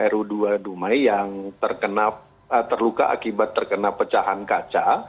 ru dua dumai yang terluka akibat terkena pecahan kaca